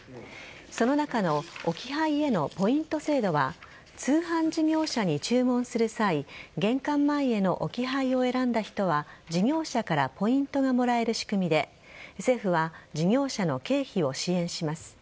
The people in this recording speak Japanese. その中の置き配へのポイント制度は通販事業者に注文する際玄関前への置き配を選んだ人は事業者からポイントがもらえる仕組みで政府は事業者の経費を支援します。